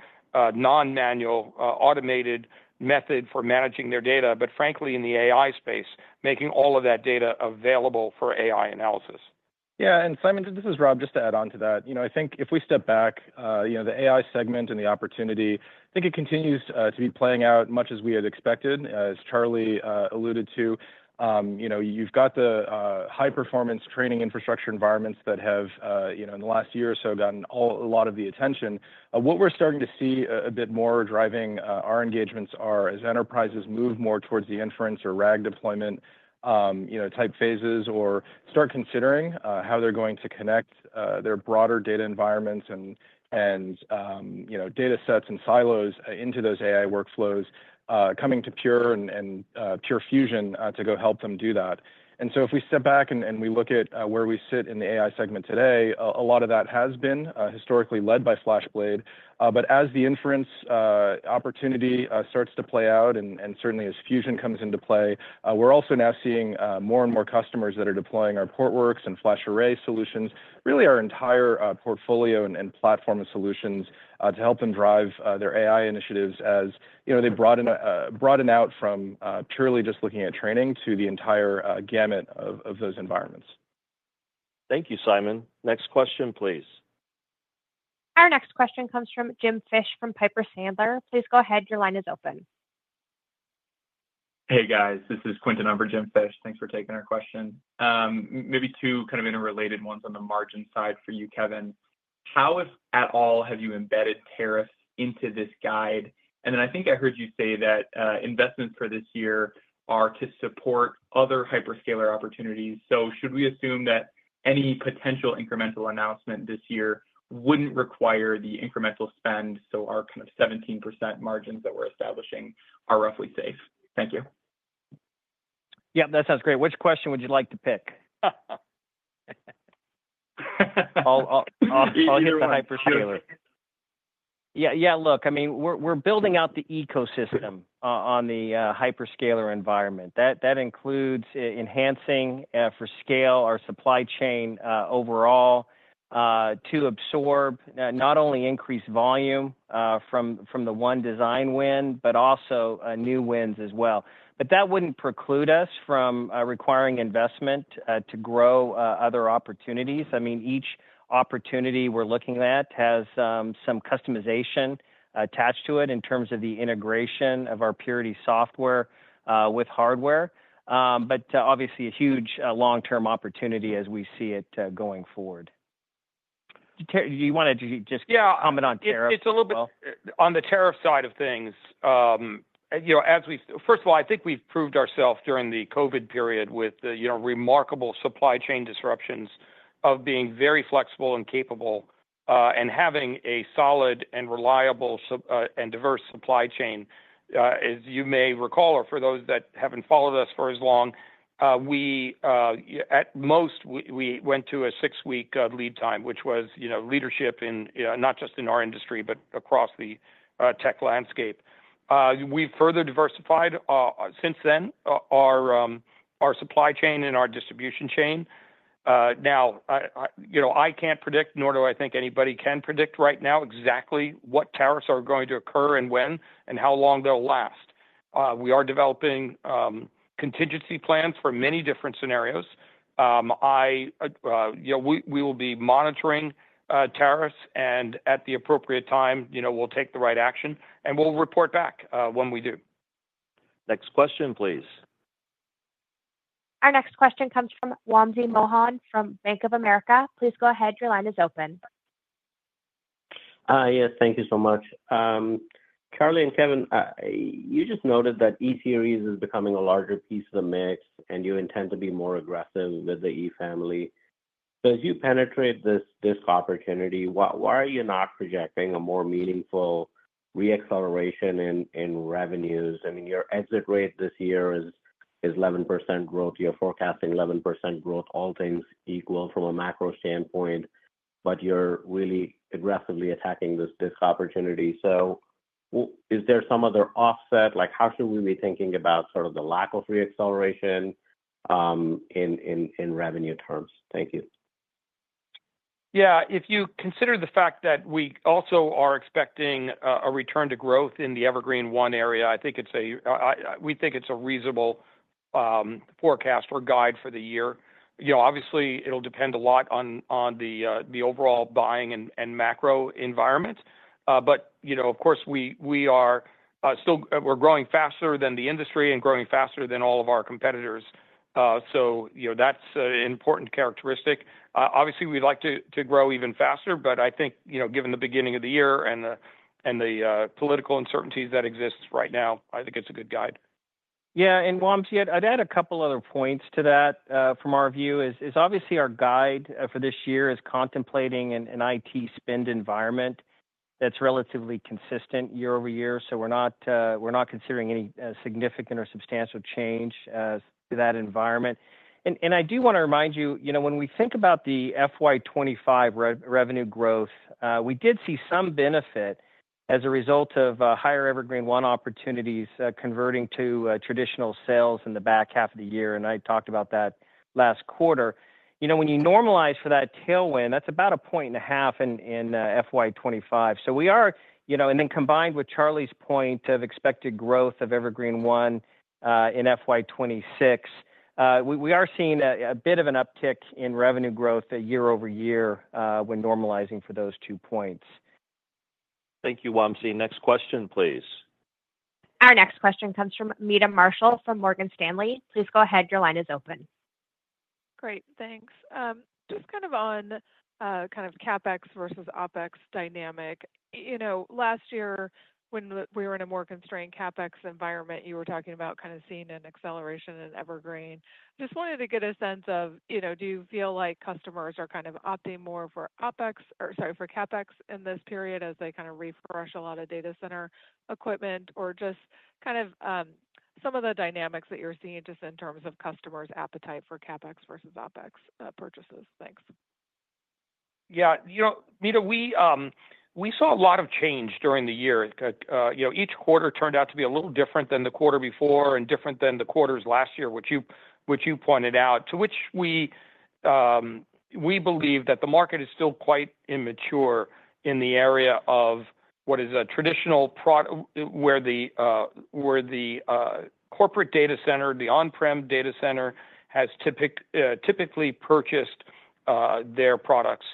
non-manual automated method for managing their data, but frankly, in the AI space, making all of that data available for AI analysis. Yeah, and Simon, this is Rob, just to add on to that. I think if we step back, the AI segment and the opportunity, I think it continues to be playing out much as we had expected, as Charlie alluded to. You've got the high-performance training infrastructure environments that have, in the last year or so, gotten a lot of the attention. What we're starting to see a bit more driving our engagements are as enterprises move more towards the inference or RAG deployment type phases or start considering how they're going to connect their broader data environments and data sets and silos into those AI workflows, coming to Pure and Pure Fusion to go help them do that. And so if we step back and we look at where we sit in the AI segment today, a lot of that has been historically led by FlashBlade. But as the inference opportunity starts to play out, and certainly as fusion comes into play, we're also now seeing more and more customers that are deploying our Portworx and FlashArray solutions, really our entire portfolio and platform of solutions to help them drive their AI initiatives as they broaden out from purely just looking at training to the entire gamut of those environments. Thank you, Simon. Next question, please. Our next question comes from Jim Fish from Piper Sandler. Please go ahead. Your line is open. Hey, guys. This is Quinton Humber, Jim Fish. Thanks for taking our question. Maybe two kind of interrelated ones on the margin side for you, Kevin. How, if at all, have you embedded tariffs into this guide? And then I think I heard you say that investments for this year are to support other hyperscaler opportunities. So should we assume that any potential incremental announcement this year wouldn't require the incremental spend so our kind of 17% margins that we're establishing are roughly safe? Thank you. Yeah, that sounds great. Which question would you like to pick? I'll hear from the hyperscaler. Yeah. Yeah. Look, I mean, we're building out the ecosystem on the hyperscaler environment. That includes enhancing for scale our supply chain overall to absorb not only increased volume from the one design win, but also new wins as well. But that wouldn't preclude us from requiring investment to grow other opportunities. I mean, each opportunity we're looking at has some customization attached to it in terms of the integration of our Purity software with hardware. But obviously, a huge long-term opportunity as we see it going forward. Do you want to just comment on tariffs? Yeah. It's a little bit on the tariff side of things. As we, first of all, I think we've proved ourselves during the COVID period with remarkable supply chain disruptions of being very flexible and capable and having a solid and reliable and diverse supply chain. As you may recall, or for those that haven't followed us for as long, at most, we went to a six-week lead time, which was leadership not just in our industry, but across the tech landscape. We've further diversified since then our supply chain and our distribution chain. Now, I can't predict, nor do I think anybody can predict right now exactly what tariffs are going to occur and when and how long they'll last. We are developing contingency plans for many different scenarios. We will be monitoring tariffs, and at the appropriate time, we'll take the right action, and we'll report back when we do. Next question, please. Our next question comes from Wamsi Mohan from Bank of America. Please go ahead. Your line is open. Hi. Yes, thank you so much. Charlie and Kevin, you just noted that E family is becoming a larger piece of the mix, and you intend to be more aggressive with the E family. So as you penetrate this opportunity, why are you not projecting a more meaningful reacceleration in revenues? I mean, your exit rate this year is 11% growth. You're forecasting 11% growth, all things equal from a macro standpoint, but you're really aggressively attacking this opportunity. So is there some other offset? How should we be thinking about sort of the lack of reacceleration in revenue terms? Thank you. Yeah. If you consider the fact that we also are expecting a return to growth in the Evergreen One area, I think we think it's a reasonable forecast or guide for the year. Obviously, it'll depend a lot on the overall buying and macro environment. But of course, we are still growing faster than the industry and growing faster than all of our competitors. So that's an important characteristic. Obviously, we'd like to grow even faster, but I think given the beginning of the year and the political uncertainties that exist right now, I think it's a good guide. Yeah. And Wamsi, I'd add a couple of other points to that. From our view, obviously, our guide for this year is contemplating an IT spend environment that's relatively consistent year over year. So we're not considering any significant or substantial change to that environment. I do want to remind you, when we think about the FY25 revenue growth, we did see some benefit as a result of higher Evergreen One opportunities converting to traditional sales in the back half of the year. I talked about that last quarter. When you normalize for that tailwind, that's about a point and a half in FY25. We are, and then combined with Charlie's point of expected growth of Evergreen One in FY26, seeing a bit of an uptick in revenue growth year over year when normalizing for those two points. Thank you, Wamsi. Next question, please. Our next question comes from Meta Marshall from Morgan Stanley. Please go ahead. Your line is open. Great. Thanks. Just kind of on kind of CapEx versus OpEx dynamic. Last year, when we were in a more constrained CapEx environment, you were talking about kind of seeing an acceleration in Evergreen. I just wanted to get a sense of, do you feel like customers are kind of opting more for OpEx or, sorry, for CapEx in this period as they kind of refresh a lot of data center equipment, or just kind of some of the dynamics that you're seeing just in terms of customers' appetite for CapEx versus OpEx purchases? Thanks. Yeah. Meta, we saw a lot of change during the year. Each quarter turned out to be a little different than the quarter before and different than the quarters last year, which you pointed out, to which we believe that the market is still quite immature in the area of what is a traditional product where the corporate data center, the on-prem data center, has typically purchased their products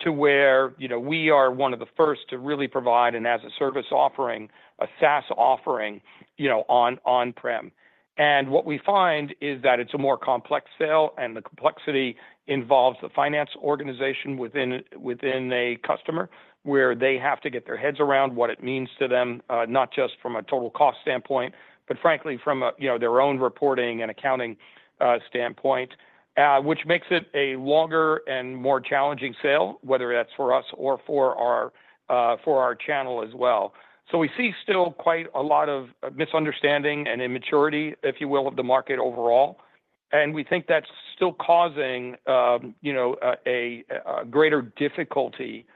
to where we are one of the first to really provide an as-a-service offering, a SaaS offering on-prem, and what we find is that it's a more complex sale, and the complexity involves the finance organization within a customer where they have to get their heads around what it means to them, not just from a total cost standpoint, but frankly, from their own reporting and accounting standpoint, which makes it a longer and more challenging sale, whether that's for us or for our channel as well. So we see still quite a lot of misunderstanding and immaturity, if you will, of the market overall. And we think that's still causing a greater difficulty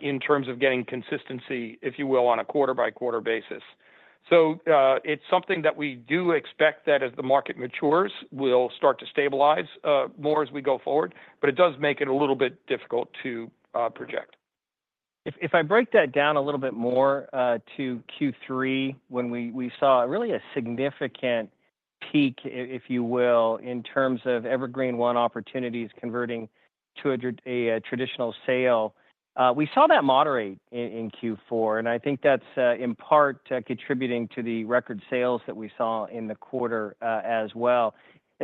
in terms of getting consistency, if you will, on a quarter-by-quarter basis. So it's something that we do expect that as the market matures, we'll start to stabilize more as we go forward, but it does make it a little bit difficult to project. If I break that down a little bit more to Q3, when we saw really a significant peak, if you will, in terms of Evergreen One opportunities converting to a traditional sale, we saw that moderate in Q4. And I think that's in part contributing to the record sales that we saw in the quarter as well.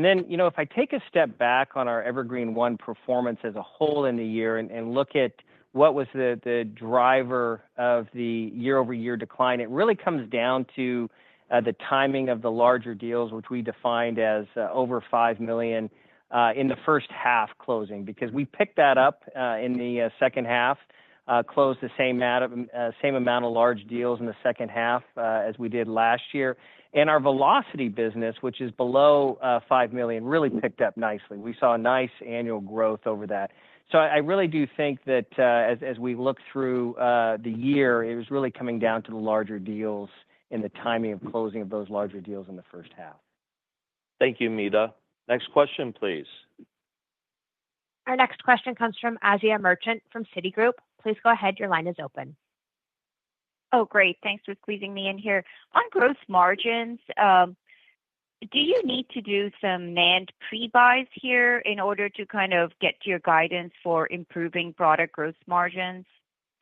Then if I take a step back on our Evergreen One performance as a whole in the year and look at what was the driver of the year-over-year decline, it really comes down to the timing of the larger deals, which we defined as over five million in the first half closing. Because we picked that up in the second half, closed the same amount of large deals in the second half as we did last year. And our velocity business, which is below five million, really picked up nicely. We saw nice annual growth over that. So I really do think that as we look through the year, it was really coming down to the larger deals and the timing of closing of those larger deals in the first half. Thank you, Meta. Next question, please. Our next question comes from Asiya Merchant from Citigroup. Please go ahead. Your line is open. Oh, great. Thanks for squeezing me in here. On gross margins, do you need to do some managed prebuys here in order to kind of get your guidance for improving product gross margins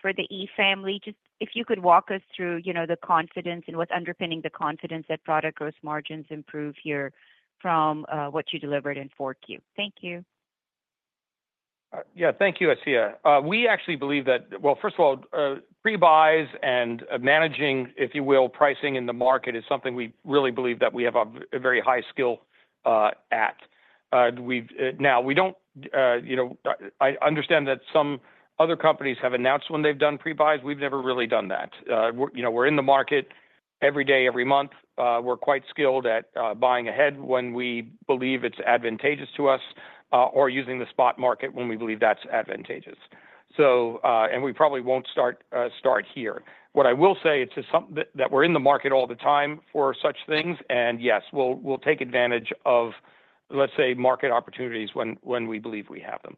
for the E Family? Just if you could walk us through the confidence and what's underpinning the confidence that product gross margins improve here from what you delivered in 4Q. Thank you. Yeah. Thank you, Asiya. We actually believe that, well, first of all, prebuys and managing, if you will, pricing in the market is something we really believe that we have a very high skill at. Now, we don't understand that some other companies have announced when they've done prebuys. We've never really done that. We're in the market every day, every month. We're quite skilled at buying ahead when we believe it's advantageous to us or using the spot market when we believe that's advantageous. And we probably won't start here. What I will say is that we're in the market all the time for such things. And yes, we'll take advantage of, let's say, market opportunities when we believe we have them.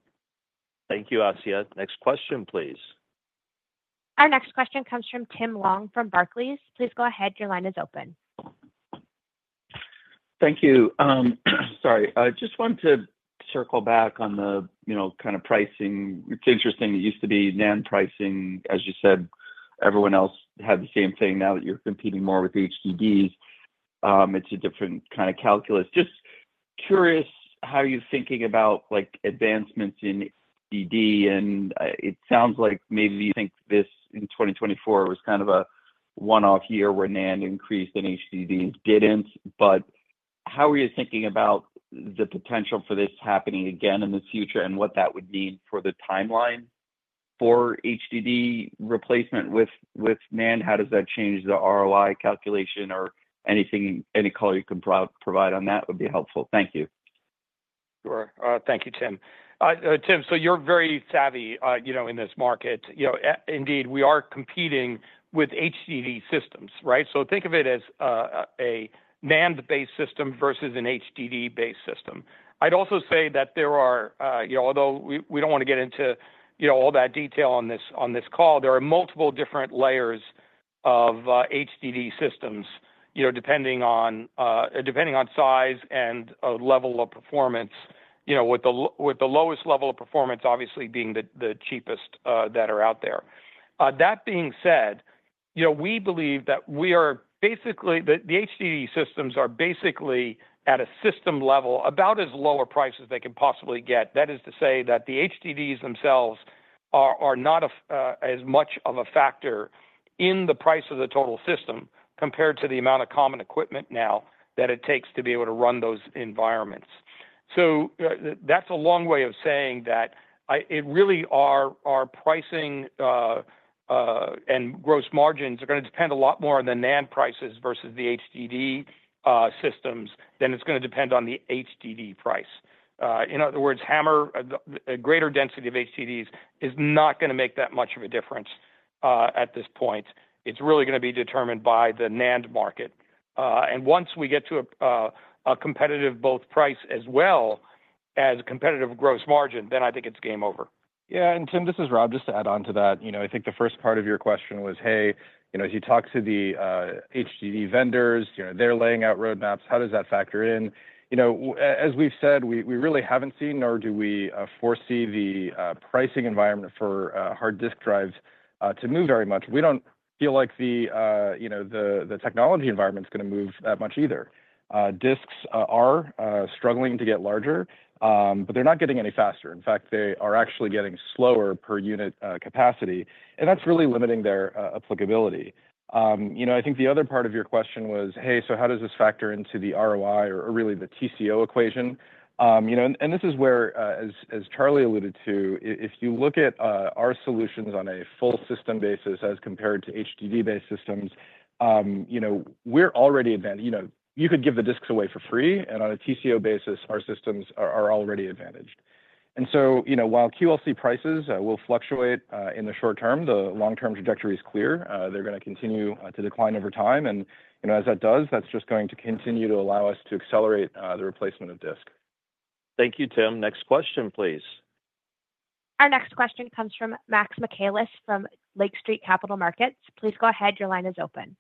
Thank you, Asiya. Next question, please. Our next question comes from Tim Long from Barclays. Please go ahead. Your line is open. Thank you. Sorry. Just wanted to circle back on the kind of pricing. It's interesting. It used to be NAND pricing, as you said. Everyone else had the same thing. Now that you're competing more with HDDs, it's a different kind of calculus. Just curious how you're thinking about advancements in HDD. It sounds like maybe you think this in 2024 was kind of a one-off year where NAND increased and HDDs didn't. But how are you thinking about the potential for this happening again in the future and what that would mean for the timeline for HDD replacement with NAND? How does that change the ROI calculation or anything? Any color you can provide on that would be helpful. Thank you. Sure. Thank you, Tim. Tim, so you're very savvy in this market. Indeed, we are competing with HDD systems, right? So think of it as a NAND-based system versus an HDD-based system. I'd also say that there are, although we don't want to get into all that detail on this call, there are multiple different layers of HDD systems depending on size and level of performance, with the lowest level of performance obviously being the cheapest that are out there. That being said, we believe that we are basically the HDD systems are basically at a system level about as low a price as they can possibly get. That is to say that the HDDs themselves are not as much of a factor in the price of the total system compared to the amount of common equipment now that it takes to be able to run those environments. So that's a long way of saying that it really, our pricing and gross margins are going to depend a lot more on the NAND prices versus the HDD systems than it's going to depend on the HDD price. In other words, however, a greater density of HDDs is not going to make that much of a difference at this point. It's really going to be determined by the NAND market. And once we get to a competitive both price as well as a competitive gross margin, then I think it's game over. Yeah. And Tim, this is Rob. Just to add on to that, I think the first part of your question was, "Hey, as you talk to the HDD vendors, they're laying out roadmaps. How does that factor in?" As we've said, we really haven't seen, nor do we foresee the pricing environment for hard disk drives to move very much. We don't feel like the technology environment's going to move that much either. Disks are struggling to get larger, but they're not getting any faster. In fact, they are actually getting slower per unit capacity, and that's really limiting their applicability. I think the other part of your question was, "Hey, so how does this factor into the ROI or really the TCO equation?" And this is where, as Charlie alluded to, if you look at our solutions on a full system basis as compared to HDD-based systems, we're already advantaged. You could give the disks away for free, and on a TCO basis, our systems are already advantaged. And so while QLC prices will fluctuate in the short term, the long-term trajectory is clear. They're going to continue to decline over time. And as that does, that's just going to continue to allow us to accelerate the replacement of disk. Thank you, Tim. Next question, please. Our next question comes from Max Michaelis from Lake Street Capital Markets. Please go ahead. Your line is open.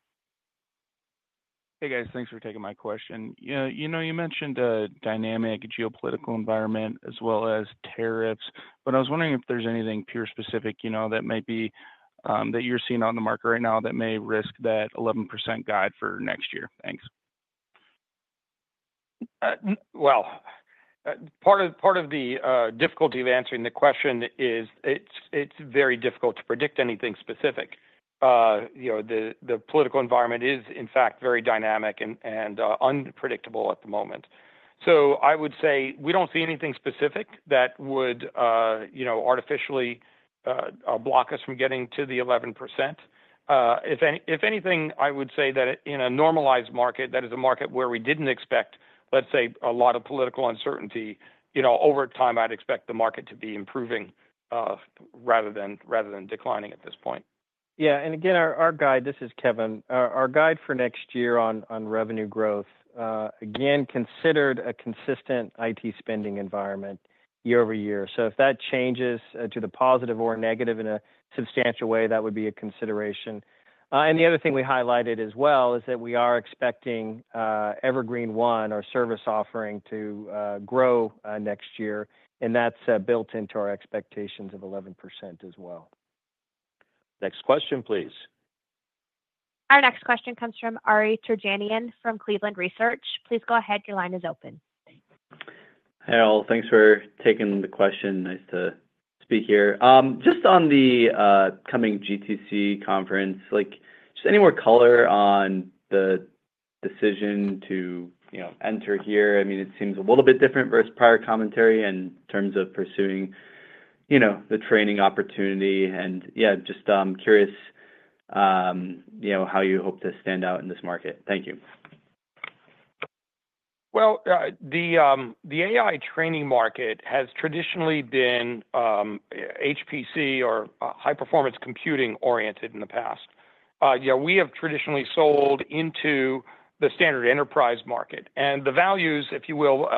Hey, guys. Thanks for taking my question. You mentioned a dynamic geopolitical environment as well as tariffs. But I was wondering if there's anything Pure-specific that may be that you're seeing on the market right now that may risk that 11% guide for next year. Thanks. Well, part of the difficulty of answering the question is it's very difficult to predict anything specific. The political environment is, in fact, very dynamic and unpredictable at the moment. So I would say we don't see anything specific that would artificially block us from getting to the 11%. If anything, I would say that in a normalized market, that is a market where we didn't expect, let's say, a lot of political uncertainty, over time, I'd expect the market to be improving rather than declining at this point. Yeah. And again, our guide, this is Kevan, our guide for next year on revenue growth, again, considered a consistent IT spending environment year over year. So if that changes to the positive or negative in a substantial way, that would be a consideration. And the other thing we highlighted as well is that we are expecting Evergreen One, our service offering, to grow next year. And that's built into our expectations of 11% as well. Next question, please. Our next question comes from Ari Terjanian from Cleveland Research. Please go ahead. Your line is open. Hey, all. Thanks for taking the question. Nice to speak here. Just on the coming GTC conference, just any more color on the decision to enter here? I mean, it seems a little bit different versus prior commentary in terms of pursuing the training opportunity. And yeah, just curious how you hope to stand out in this market. Thank you. Well, the AI training market has traditionally been HPC or High-Performance Computing-oriented in the past. We have traditionally sold into the standard enterprise market. And the values, if you will,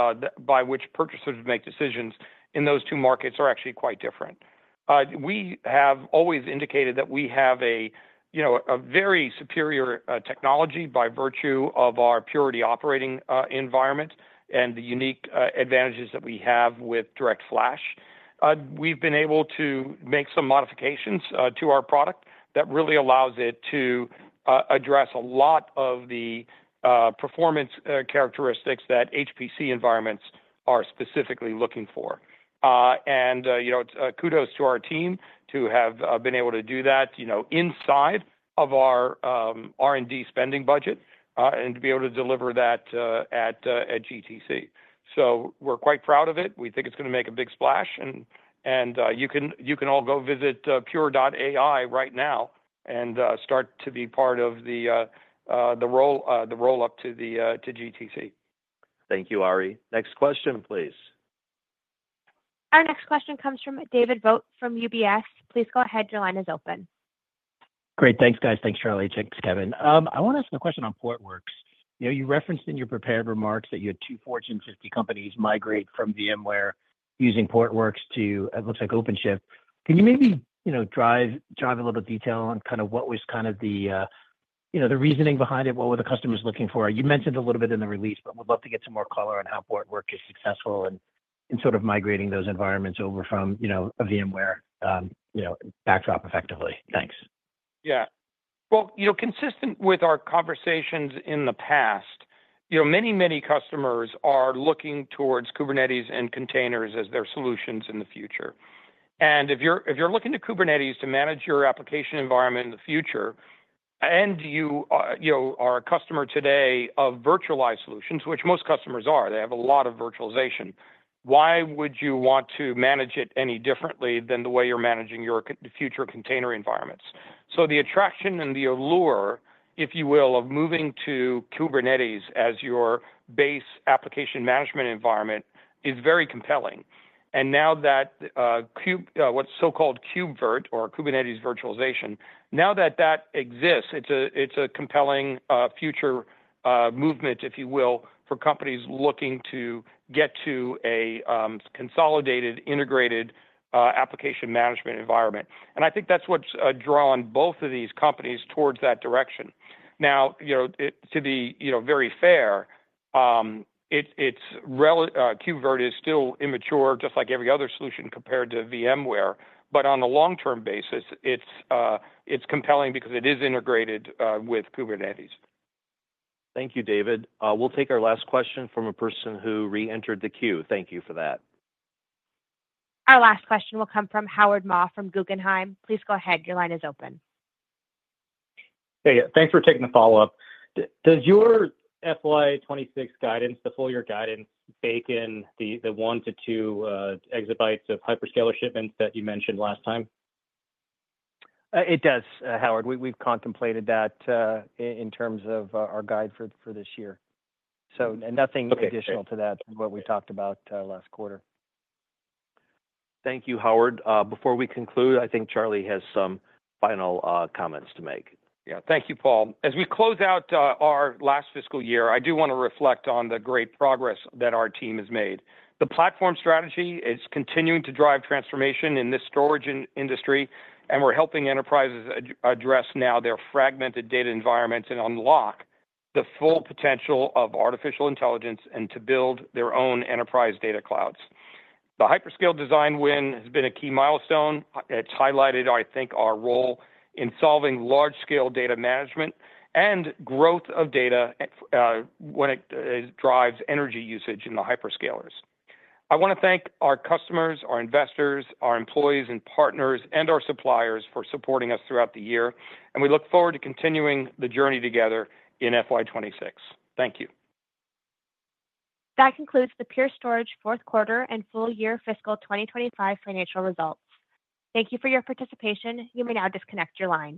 by which purchasers make decisions in those two markets are actually quite different. We have always indicated that we have a very superior technology by virtue of our Purity operating environment and the unique advantages that we have with DirectFlash. We've been able to make some modifications to our product that really allows it to address a lot of the performance characteristics that HPC environments are specifically looking for, and kudos to our team to have been able to do that inside of our R&D spending budget and to be able to deliver that at GTC. So we're quite proud of it. We think it's going to make a big splash, and you can all go visit pure.ai right now and start to be part of the roll-up to GTC. Thank you, Ari. Next question, please. Our next question comes from David Vogt from UBS. Please go ahead. Your line is open. Great. Thanks, guys. Thanks, Charlie. Thanks, Kevan. I want to ask a question on Portworx. You referenced in your prepared remarks that you had two Fortune 50 companies migrate from VMware using Portworx to, it looks like, OpenShift. Can you maybe provide a little detail on kind of what was kind of the reasoning behind it? What were the customers looking for? You mentioned a little bit in the release, but we'd love to get some more color on how Portworx is successful in sort of migrating those environments over from a VMware background effectively. Thanks. Yeah. Well, consistent with our conversations in the past, many, many customers are looking towards Kubernetes and containers as their solutions in the future. And if you're looking to Kubernetes to manage your application environment in the future, and you are a customer today of virtualized solutions, which most customers are, they have a lot of virtualization, why would you want to manage it any differently than the way you're managing your future container environments? So the attraction and the allure, if you will, of moving to Kubernetes as your base application management environment is very compelling. And now that what's so-called KubeVirt or Kubernetes virtualization, now that that exists, it's a compelling future movement, if you will, for companies looking to get to a consolidated, integrated application management environment. And I think that's what's drawn both of these companies towards that direction. Now, to be very fair, KubeVirt is still immature, just like every other solution compared to VMware. But on a long-term basis, it's compelling because it is integrated with Kubernetes. Thank you, David. We'll take our last question from a person who re-entered the queue. Thank you for that. Our last question will come from Howard Ma from Guggenheim. Please go ahead. Your line is open. Hey, thanks for taking the follow-up. Does your FY26 guidance, the full year guidance, bake in the one to two exabytes of hyperscaler shipments that you mentioned last time? It does, Howard. We've contemplated that in terms of our guidance for this year. So nothing additional to that than what we talked about last quarter. Thank you, Howard. Before we conclude, I think Charlie has some final comments to make. Yeah. Thank you, Paul. As we close out our last fiscal year, I do want to reflect on the great progress that our team has made. The platform strategy is continuing to drive transformation in this storage industry. And we're helping enterprises address now their fragmented data environments and unlock the full potential of artificial intelligence and to build their own enterprise data clouds. The hyperscaler design win has been a key milestone. It's highlighted, I think, our role in solving large-scale data management and growth of data when it drives energy usage in the hyperscalers. I want to thank our customers, our investors, our employees and partners, and our suppliers for supporting us throughout the year. And we look forward to continuing the journey together in FY26. Thank you. That concludes the Pure Storage fourth quarter and full year fiscal 2025 financial results. Thank you for your participation. You may now disconnect your line.